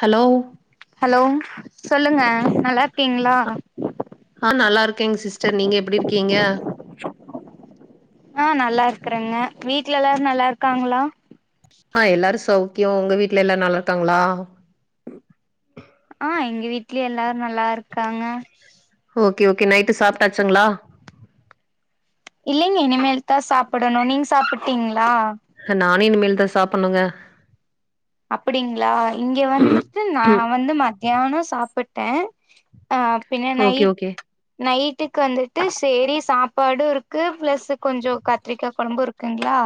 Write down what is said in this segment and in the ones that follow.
Hello hello சொல்லுங்க நல்லாருக்கீங்ளா ஆ நல்லா இருக்கேங் சிஸ்டர் நீங்க எப்டி இருக்கீங்க ஆ நல்லா இருக்கறேங்க வீட்ல எல்லாரு நல்லாருக்காங்களா ஆ எல்லாரு சௌக்கியோ ஒங்க வீட்ல எல்லா நல்லார்க்காங்களா ஆ எங்க வீட்லயு எல்லாரு நல்லாருக்காங்க ஓகே ஓகே நைட்டு சாப்டாச்சுங்ளா இல்லைங்க இனிமேல் தா சாப்படனு நீங்க சாப்பிட்டீங்ளா நானே இனிமேல் தா சாப்புட்னுங்க அப்டிங்களா இங்க வந்துட்டு நா வந்து மத்தியானோ சாப்பிட்டே ஆ பின்ன ஓகே நைட் ஓகே நைட் வீட்க்கு வந்துட்டு சேரி சாப்பாடு இருக்கு பிளஸ் கொஞ்சோ கத்ரிக்கா கொழம்பு இருக்குங்ளா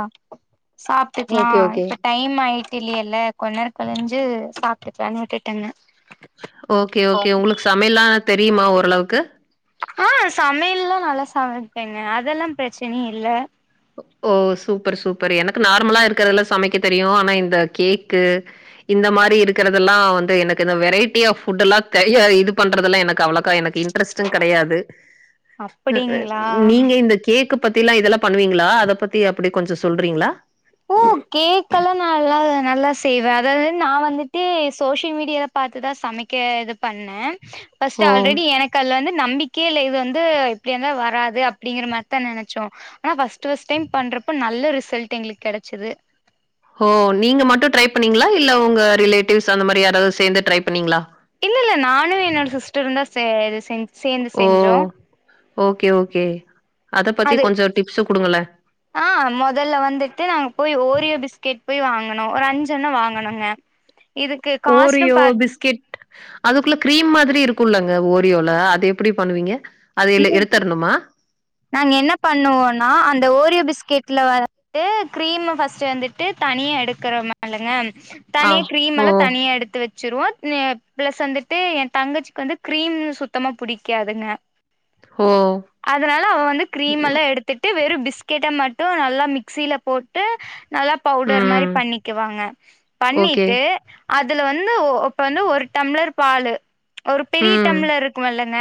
சாப்ட்டுக்லா ஓகே ஓகே இப்ப டைம் ஆயிட்டு இல்லேல கொஞ்ச நேர கழிஞ்சு சாப்ட்டுக்லானு விட்டுட்டேங்க ஓகே ஓ ஓகே ஒங்ளுக்கு சமையல்லா தெரிமா ஓரளவுக்கு ஆ சமையல்லா நல்லா சமப்பே நா அதெல்லா பிரச்சனையே இல்ல ஓ சூப்பர் சூப்பர் எனக்கு நார்மலா இருக்கறததெல்லா சமைக்க தெரியு ஆனா இந்த கேக்கு இந்த மாரி இருக்கறதெல்லா வந்து எனக்கு இந்த வெரைட்டியா ஃபுட் எல்லா தெரியாது இது பண்றதெல்லா எனக்கு அவ்ளோ எனக்கு இன்ட்ரெஸ்டு கெடையாது அப்படிங்களா நீங்க இந்த கேக்கு பத்திலா இதெல்லா பண்ணுவீங்ளா அத பத்தி அப்டி கொஞ்சோ சொல்றீங்ளா ஓ கேக் எல்லா நல்லா நல்லா செய்வே அதாது நா வந்துட்டு சோஷியல் மீடியால பாத்து தா சமைக்க இது பண்ணே ஓ ஃபர்ஸ்ட்டு ஆல்ரெடி எனக்கு அதுல வந்து நம்பிக் கே இல்ல இது வந்து எப்டியா இருந்தாலு வராது அப்பிடிங்கற மாரிதா நெனைச்சோ ஆனா ஃபர்ஸ்ட் ஃப்ஸ்ட் டைம் பண்றப்ப ந ல்ல ரிசல்ட் எங்ளுக்கு கெடைச்சது ஒ நீங்க மட்டு ட்ரை பண்ணீங்ளா இல்ல ஒங்க ரிலேட்டிவ்ஸ் அந்த மாரி யாராது சேந்து ட்ரை பண்ணீங்களா இல்ல இல்ல நானு என்னோட சிஸ்டரு தா சே இது செஞ் சேந்து ஓ செஞ்சோ ஓகே ஓகே அத பத்தி அது கொஞ்சோ டிப்ஸு குடுங்களே. ஆ மொதல வந்துட்டு நாங்க போய் ஓரியோ பிஸ்கெட் போய் வாங்கணு ஒரு அஞ்சண்ண வாங்கனோங்க இதுக்கு காஸ்ட்னு ஓரியோ பாத் பிஸ்கெட் அதுக்குள்ள கிரீம் மாதிரி ரி இருக்குல்லங்க ஓரியோல அது எப்புடி பண்ணுவீங்க அது எலே எடுத்தர்ணுமா நாங்க என்ன பண்ணுவோன்னா அந்த ஓரியோ பிஸ்கெட்ல வந்துட்டு கிரீம்ம ஃபர்ஸ்ட்டு வந்துட்டு தனி னியா எடுக்குறோமா இல்லங்க ஆ தனி ஓ கிரீமெல்லா தனியா எடுத்து வச் ச்சிருவோ அ பிளஸ் வந்துட்டு என் தங்கச்சிக்கு வந்து கிரீம் சுத்தமா புடிக்காதுங்க ஒ அதனால அவ வந்து கிரீமெல்லா எடுத்துட்டு வெறு பிஸ்கெட்ட மட்டு நல்லா மிக்சில போட்டு நல்லா பவுடர் மாரி ம் பண்ணிக்குவாங்க ஓகே. பண்ணிட்டு அதுல வந்து ஒ இப்ப வந்து ஒரு டம்ளர் பாலு ஒரு பெரிய ம் டம்ளர் இருக்குவல்லங்க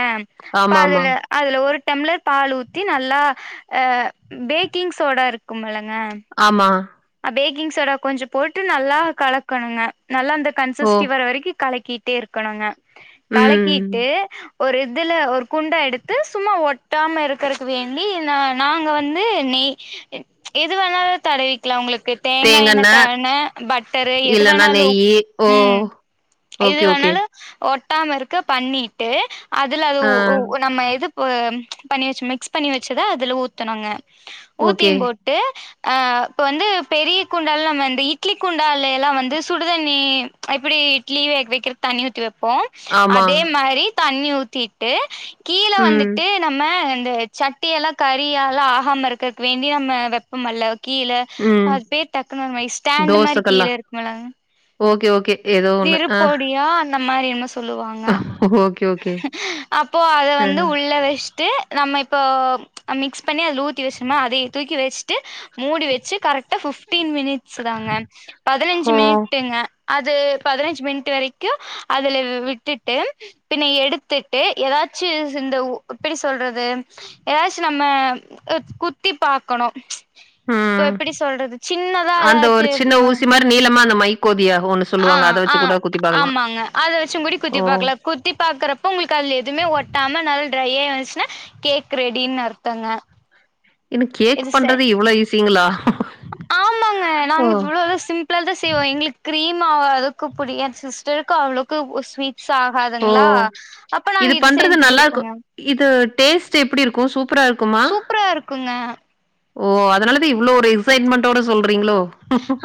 அப்ப ஆமாமா. அதுல அதுல ஒரு டம்ளர் பால் ஊத்தி நல்லா அ பேக்கிங் சோடா இருக்குமல்லங் ஆமா பேக்கிங் சோடா கொஞ்சோ போட்டு நல்லா கலக்கணுங்க நல்லா அந்த ஓ கன்சஸ்டி வர வெரிக்கி கலக்கிட் டே இருக்கணுங்க ம். கலக்கிட்டு ஒரு இதுல ஒரு குண்டா எடுத்து சும்மா ஒட்டாம இருக்குறக்கு வேண்டி ந நாங்க வந்து நெ ய் எது வேணாலு தடவிக் கு தேங்காயெண்ண தேங்கெண்ண தான பட்டரு எது இல்லன்னா வேணாலு நெய்யி. ஓ! ம் எது ஓகே, ஓகே. வேணாலு ஒட்டாம இருக்க பண்ணிட்டு அதுல அது ஆ, ஒ நம்ம எதுப் ஒ பண்ணி வெச்சி மிக்ஸ் பண்ணி வெச்சத அதுல ஊத்தனுங்க ஓகே. ஊத்தியும் போட்டு அ இப்போ வந்து பெரிய குண்டால்லா வந்து இட்லி குண்டால்லே எல்லா வந்து சுடுதண்ணி எப்படி இட்லி வேகவெக்கற தண்ணி ஊத்தி வெப் போ ஆமா. அதே மாதிரி தண்ணி ஊத்திட்டு கீழ ம், வந்துட்டு நம்ம அ சட்டி எல்லா கறியால்லா ஆகாமருக்கக்கு வேண்டி நம்ம வெப்பம்மல்ல கீழ ம். அது பேர் டக்குன்னு வரமாட்டிங் ஸ்டாண்டு தோச மாரி கீழ கல்லா. இருக்குமல்லங் ஓகே ஓகே ஏதோ ஒண்ணு. ஆ. இருப்போடியான் இந்த மாரி என்னம்மோ சொல்லுவாங்க ஓகே, ஓகே. அப்போ அத ஆ. வந்து உள்ள வெஷ்ட்டு நம்ம இப்போ மிக்ஸ் பண்ணி அதுல ஊத்தி வெஷ்டும்ணா அதைய தூக்கி வெஷ்ட்டு மூடி வெச்சி கரெக்டா ஃபிஃப்டீன் மினிட்ஸ் தாங்க பதினஞ்சி ஓ! மினிட்டுங்க அது பதினஞ்சி மினிட்டு் வெரைக்கு அதுல விட்டுட்டு பின்ன எடுத்துட்டு ஏதாச்சி இந்த எப்படி சொல்றது ஏதாச்சி நம்ம அ குத்தி பாக்கணு இப்ப ம். எப்படி சொல்றது சின்னதா அந்த ஒரு ஏதாச்சி சின்ன ம ஊசி மாரி நீளமா அந்த மைக்கோதியா ஒண்ணு அ சொல்லுவாங்க. அத அ வச்சு கூட குத்தி பார்க்கலாம். ஆமாங்க அத வச்சுங் குடி குத்தி ஓ! பாக்கல குத்தி பாக்குறப்ப உங்களுக்கு அது எதுவுமே ஒட்டாம நல்ல ட்ரைய வந்துச்சின்னா கேக் ரெடினு அர்த்தங்க இன்னு கேக் இது செ பண்றது இவ்ளோ ஈசிங்களா ஆமாங்க நாங்க இவ்ளோதா சிம்பிளா தா செய்வோ எங்களுக்கு கிரீம் மா அதுக்கு புடி என் சிஸ்டருக்கு அவ்ளோக்கு ஸ்வீட் ஓ! சாகாதுங்களா அப்ப நாங்க இது பண்றது செஞ்சி நல்லாருக்கும். கொடுப்போங்க இது டேஸ்ட் எப்படி இருக்கும்? சூப்பரா சூப்பரா இருக்குங்க ஒ அதனாலத் இவ்ளோ ஒரு எக்ஸைட்மெண்டோட சொல்றீங்களோ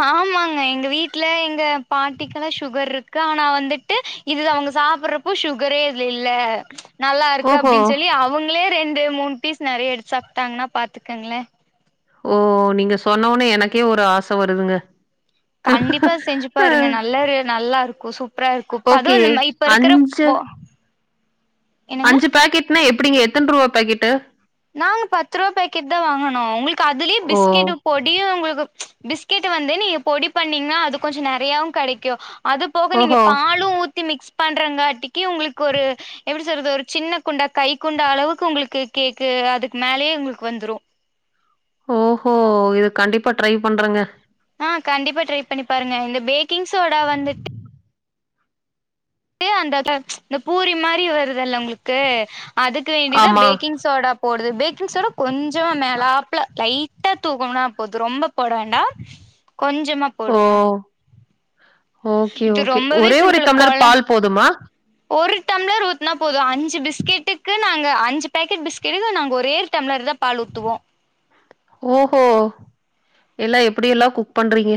ஆமாங்க எங்க வீட் டுல எங்க பாட்டிக்குல்லா சுகர்ருக்கு ஆனா வந்துட்டு இது அவங்க சாப்புற்றப்போ சுகரே இதுல இல்ல நல்லாருக்கு ஓஹோ! அப்டின் சொல்லி அவுங்களே ரெண்டு மூணு பீஸ் நெறைய எடுத்து சாப்ட்டாங்கன்னா பாத்துக்கங்ளே ஒ நீங்க சொன்ன ஒட்னே எனக்கே ஒரு ஆச வருதுங்க கண்டிப்பா செஞ்சி அ பாருங்க நல்லாரு நல்லாருக்கோ சூப் ஓகே அஞ்சு என்னங்க அஞ்சு பேக்கெட்னா எப் ப்டிங்க எத்தன் ரூபா பாக்கெட்டு நாங்க பத்து ரூபா பேக்கெட் தா வாங்குனோ உங்குள்கு அதுலயே ஓ! பிஸ்கெட் பொடியு உங்குள்கு பிஸ்கெட்ட வந்து நீங்க பொடி பண்ணீங்னா அது கொஞ்ச நறையாவு கெடைக்கூ அது போக நீங்க ஓஹோ! பாலூ ஊத்தி மிக்ஸ் பண்றங்காட்டிக்கி உங்குளுக்கு ஒரு எப்டி சொல்றது ஒரு சின்ன குண்டா கை குண்டா அளவுக்கு உங்குளுக்கு கேக் கு அதுக்கு மேலேயே உங்குளுக்கு வந்துரூ ஓஹோ இது கண்டிப்பா ட்ரை பண்றேங்க ஆ கண்டிப்பா ட்ரை பண்ணி பாருங்க இந்த பேக்கிங் சோடா வந்துட் டு அந்த ட்ர இந்த பூரி மாரி வருதுல்ல உங்குளுக்கு அதுக்கு வேண்டிதா ஆமா. பேக்கிங் சோடா போடுது பேக்கிங் சோடா கொஞ்சமா மேலாப்ல லைட் டா தூவம்னா போது ரொம்ப போட வேண்டா கொஞ்சமா ஓ! போடுங்க ஓகே இது ஓகே ரொம்பவே ஒரே ஒரு சிம்பிள் கொழ டம்ளர் பால் போதுமா ஒரு டம்ளர் ஊத்துனா போது அஞ்சு பிஸ்கெட்டுக்கு நாங்க அஞ்சு பாக்கெட் பிஸ்கெட்கு நாங்க ஒரே ஒர் டம்ளர் தா பால் ஊத்துவோ ஓஹோ எல்லா எப்டியெல்லா குக் பண்றீங்க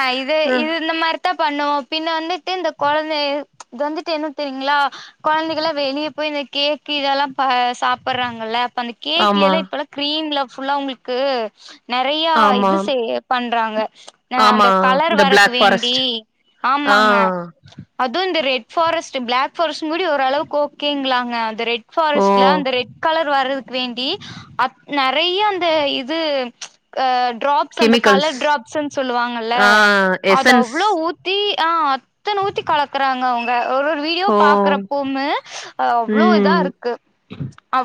ஆ இது அ. இது இந்த மார் டா பண்ணுவோ பின்ன வந்துட்டு இந்த கொழந்தே வந்துட்டு என்ன தெரியுங்ளா கொழந்தைகலா வெளியே போ இந்த கேக்கு இதெல்லா ப சாப்புர்றாங்கல்ல அந்த ஆமா, கேக்லேலா இப்பல்லா க்ரீம்ல ஃபுல்லா உங்குளுக்கு நறையா ஆமா, இது செய பண் ஆ அந்த ஆமா. கலர் இந்த வரக்கு பிளாக் வேண்டி ஃபாரஸ்ட். ஆ. ஆமாங்க அதுவு இந்த ரெட் ஃபாரஸ்ட்டு பிளாக் ஃபாரஸ்ட்டுங் கூடி ஓளவுக்கு ஓகேங்ளாங்க அந்த ரெட் ஓ! ஃபாரஸ்ட்ல அந்த ரெட் கலர் வரதுக் வேண்டி அப் ந றைய அந்த இது அ ட்ராப்ஸ் அந்த கெமிக்கல்ஸ். கலர் சென்ஸ் சொல்லுவாங்கல்ல ஆ அது எசன்ஸ். அவ்ளோ ஊத்தி தி ஆ அத்தன ஊத்தி கலக்குறாங்க அவுங்க ஒரு ஒரு வீடியோ ஓ! பாக்குறப்போமே அவ்ளோ ம். இதார்க்கு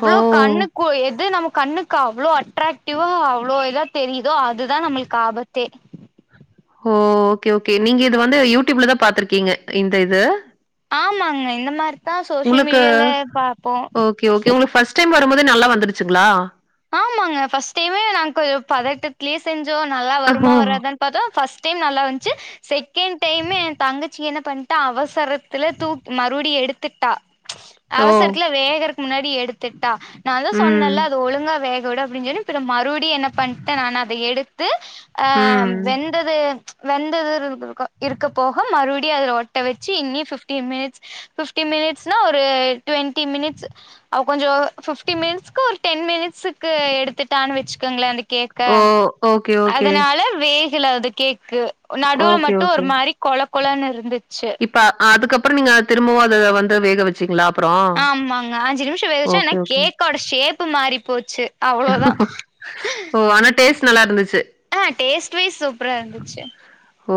ஓ! கண்ணுக்கு எது நமக் கண்ணுக்கு அவ்ளோ அட்ராக்டிவா அவ்ளோ இதா தெரியுதோ அதுதா நம்ளுக்கு ஆபத் தே ஹோ ஓகே ஓகே நீங்க இது வந்து யூடியூப்ல தா பாத்துருக்கீங்க இந்த இது ஆமாங்க இந்த மார் உங்குளுக்கு ஓகே ஓகே உங்குளுக்கு ஃபர்ஸ்ட் டைம் வரும்போதே நல்லா வந்துருச்சுங்களா ஆமாங்க ஃபர்ஸ்ட் டைமே நாங் கொஞ்ச பதட்டத்லயே செஞ்சோ நல்லா வருமா ஓ! வராதான் பாத்தா ஃபஸ் டைம் நல்லா வந்த்ச்சு செகண்ட் டைம் எந்தங்கச்சி என்ன பண்ட்டா அவசரத்துல தூக் மறுபடி எ எடுத்துட்டா ஓ! அவசரத்துல வேகறக் முன்னாடி எடுத்துட்டா நா தா ம். சொன்னேல்ல அது ஒழுங்கா வேக விடு அப்டின் சொல்லி திரும் மறுப்டி என்ன பண்ட்டேனா நா அத எடுத் து ஆ ம். வெந்தது வெந்தது இருஇருஇருக்க இருக்க போக மறுப்டி அத ஒட்ட வச்சு இன்னி ஃபிஃப்டி மினிட்ஸ் ஃபிஃப்டி மி னிட்ஸ்னா ஒரு ட்வெண்டி மினிட்ஸ் ஆ கொஞ்சோ ஃபிஃப்டி மினிட்ஸ்கொர் டென் மினிட்ஸுக் கு எடுத்துட்டான் வச்சுக்கோங்ளே அந்த கேக்க ஓ! Okay, okay. அதனால வே க்ல அது கேக்கு நடுல ஓகே, மட்டூ ஒரு ஓகே. மாரி கொழ கொழன்னுர்ந்து இப்ப அதுக்கப்றோ நீங்க திரும்பவூ அத வந்து வேக வச்சீங்களா அப்புறம்? ஆமாங்க அஞ்சு நிமிஷோ வேகவ்ச்சே ஆனா ஓகே, ஓகே. கேக்கோட ஷேப்பு மாறி போச்சு அவ்ளோதா ஓ! ஆனா டேஸ்ட் நல்லா இருந்துச்சு. ஆ டேஸ்ட் வைஸ் சூப்ராந்துச்சு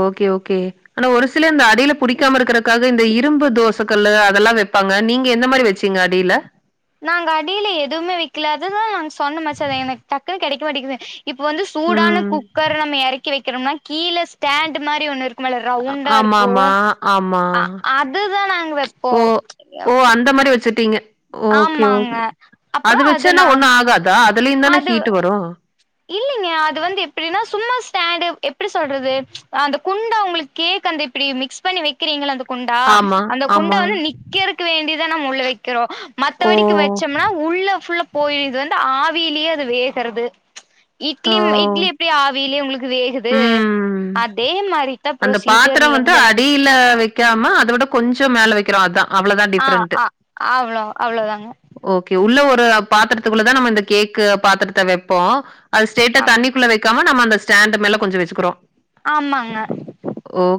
ஓகே ஓகே ஆனா ஒரு சில இந்த அடியில புடிக்காம இருக்கிறக்காக இந்த இரும்பு தோஸ் சக்கல்லு அதெல்லா வெப்பாங்க நீங்க எந்த மாரி வச்சீங்க அடியில நாங்க அடியில எதுவுமே வக்கலாதுதா நாங்க சொன்னமாச்சேதா எனக்கு டக்குன்னு கெடைக்க மாட்டேக்குது இப்ப வந்து சூடான ம் குக்கர் நம்ம எறக்கி வெக்கிறோம்னா கீழே ஸ்டாண்டு மாரி ஒன்னுர்க் க்மேல அ ரவுண்டாருக்கூ ஆமாமா, ஆமா. ஆ அதுதா நாங் வெப்போ ஓ ஓ அந்த மாரி வச்சுட்டீங்க ஓகே ஆமாங்க ஓகே அது அப்றோ வச்சன்னா நா ஒன்னு ஆகாதா அதுலத்தானா அது ஹீட் வரும் இல்லைங்க [inaudible] அது வந்து எப்படின்னா சும்மா ஸ்டாண்ட் எப்படி சொல்றது அந்த குண்ட உங்களுக்கு கேக் அந்த எப்படி மிக்ஸ் பண்ணி வைக்கிறீங்கள அந்த குண்டா ஆமா, அந்த குண்டா ஆமா. வந்து நிக்கிறதுக்கு வேண்டிதான் நம்மா உள்ள வைக்கிறோ ஓ! மத்தவடிக்கு வச்சோம்னா உள்ள புல்ல போயிருது வந்து ஆவியிலயே அது வேகறது ஓ! இட்லி இட்லி எப்படி ஆவிலயே உங்களுக்கு வேகுது ம். அதே மாரித்தா அந்த பாத்திரம் ப்ரொசீஜர்ல வந்து இருந்து எல்லா அடியில வைக்காம அத விட கொஞ்ச மேல வைக்க அவ்வளோதான் ஆ டிபரெண்ட்டு ஆ அவ்ளோ அவ்ளோதாங்க ஓகே உள்ள ஒரு பாத்திரத்துக்குள்ள தான் நம்ம இந்த கேக் பாத்திரத்தை வைப்போம் அது ஸ்டேட்ட ஆமா தண்ணிக்குள்ள வைக்காம நம்ம அந்த ஸ்டாண்ட் மேல கொஞ்ச வச்சக்கிறோ ஆமாங்க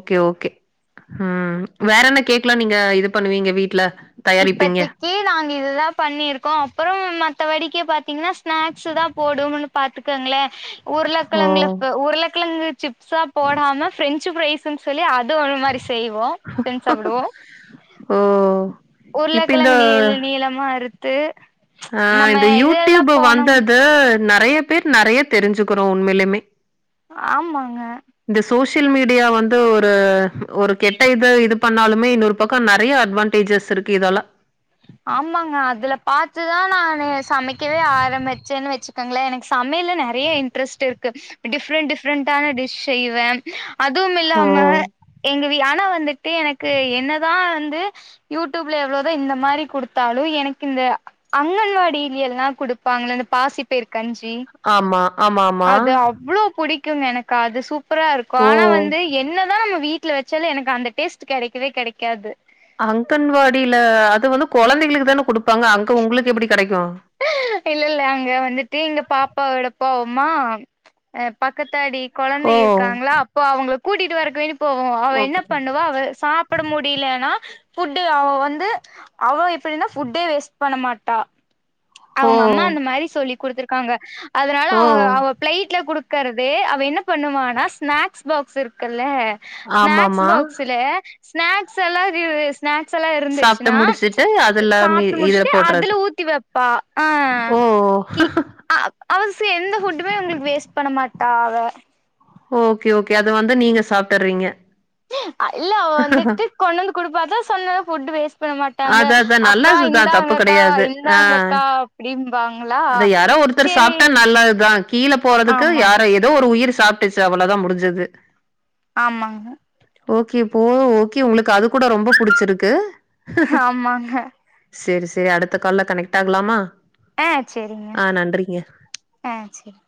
ஓகே ஓகே வேற என்ன கேக்கலா நீங்க இது பண்ணுவீங்க வீட்டுல இப்பத்தக்கு நாங்க இதுதான் பண்ணிருக்கோ அப்புறம் மற்ற வடிக்க பாத்தீங்கன்னா ஸ்நாக்ஸ் தான் போடும்னு பாத்துக்கங்கலே ஓ! உருளைக்கிலங்கள உருள சிப்ஸா போடாம பிரெஞ்சு பிரரைஸ்சுன்னு சொல்லி அது அ ஒரு மாதிரி செய்வோ செஞ்சு சாப்பிடுவோ ஓ! இப்ப இந்த உருளைக்கிழங்கு நீள நீளமா அறுத்து அ நம்ம இந்த இதெல்லா யூடுப் போனோம் வந்தது நிறைய பேர் நிறைய தெரிஞ்சுக்கிறோம் உண்மையிலயுமே ஆமாங்க இந்த சோசியல் மீடியா வந்து ஒரு ஒரு கெட்ட இது இது பண்ணாலுமே இன்னொரு பக்கம் நிறைய அட்வான்டேஜஸ் இருக்கு இதால ஆமாங்க அதுல பாத்துதான் நானு சமைக்கவே ஆரம்பிச்சேன்னு வச்சுக்கோங்களே எனக்கு சமை சமையல்ல நிறைய இன்ட்ரெஸ்ட் இருக்கு டிப்ரெண்ட் டிப்ரெண்டான டிஷ் செய்வே அதுவும் ஓ! இல்லாம எங்கா வி ஆன வந் வந்துட்டு எனக்கு என்னதான் வந்து யூடுபில எவ்வளோதான் இந்த மாதிரி கொடுத்தாலும் எனக்கு இந்த அங்கன்வாடி எல்லாம் கொடுப்பாங்கள இந்த பாசிப்பயிரு கஞ்சி ஆமா, ஆமாமா. அது அவ்வளவு புடிக்குங்க எனக்கு அது சூப்பரா இருக்கு ஓ! ஆனா வந்து என்ன அதான் நம்ம வீட்டுல வச்சாலும் எனக்கு அந்த டேஸ்ட் கிடைக்கவே கிடைக்காது அங்கன்வாடியில அது வந்து குழந்தைகளுக்கு தானே குடுப்பாங்க அங்க உங்களுக்கு எப்படி கிடைக்கு இல்ல இல்ல அங்க வந்துட்டு எங்க பாப்பாவிட போவமா அ பக்கத்தாடி குழந்தை ஓ! இருக்காங்களா அப்போ அவங்களை கூட்டிட்டு வரக்கவேன்டி போவம் அவள் என்ன ஓகே பண்ணுவா அவ சாப்பிட முடியலன்னா புட்டு அவன் வந்து அவன் எப்படின்னா புட்டே வேஸ்ட் பண்ண மாட்டா ஓ அவங்க அம்மா அந்த மாதிரி சொல்லி்டுத்துருக்காங்க அதனால ஓ அவங்க அவ பிளைட்ல குடுக் இருக்கறது அவ என்ன பண்ணுவானா ஸ்நாக்ஸ் பாக்ஸ் இருக்கல்ல ஸ்நாக்ஸ் ஆமாமா பாக்ஸ்ல ஸ்நாக்ஸ் எல்லாம் ஸ்நாக்ஸ் எல்லாம் சாப்ட்டு இருந்துச்சுன்னா முடிச்சுட்டு அதுல மீ சாப்பிட்டு இதுல முடிச்சுட்டு போட்றது அதுல ஊத்தி வ ப்ப ஆ ஓ கி அவ எந்த புட்டுமே உங்களுக்கு வேஸ்ட் பண்ண மாட்டா அவ ஓகே ஓகே அது வந்து நீங்க சாப்பிடறீங்க இல்ல அவன் வந்துட்டு கொண்டு வந்து கொடுப்பா அதான் சொன்னத புட் வேஸ்ட் பண்ண மாட் ங்க அதா அதா அக்கா நல்லதுதா இந்தாங்க தப்பு அக்கா கெடையாது ஆ இந்தாங்க அக்கா அப்படிபாங்களா சரி சாப்பிட்டா நல்லாதுதான் கீழே போறதுக்கு யாரோ ஏதோ ஒரு உயிர் சாப்பிட்டுச்சு அவ்வளவுதான் முடிஞ்சது ஆமாங்க ஓகேப்ப ஓகே உங்களுக்கு அது கூட ரொம்ப புடிச்சிருக்கு ஆமாங்க சரி சரி அடுத்த காலல கனெக்ட் ஆகலாமா ஆ சரிங்க ஆ நன்றிங்க ஆ சரி